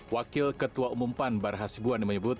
wakil ketua umum pan bar hasibuan menyebut